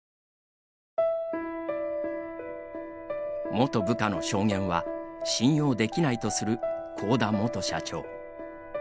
元部下の証言は信用できないとする幸田元社長。